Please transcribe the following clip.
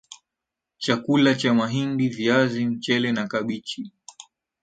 chakula cha mahindi viazi mchele na kabichi